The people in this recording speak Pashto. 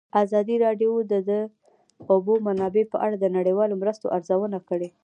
ازادي راډیو د د اوبو منابع په اړه د نړیوالو مرستو ارزونه کړې.